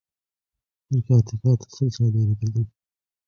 هەر کاتیش هاتە سەر چاودێریکردن